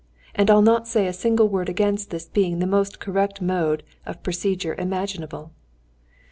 And I'll not say a single word against this being the most correct mode of procedure imaginable.